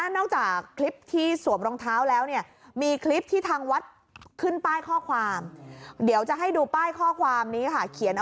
นอกจากคลิปที่สวมรองเท้าแล้วนี่